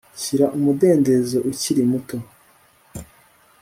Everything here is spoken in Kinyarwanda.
Shyira umudendezo ukiri muto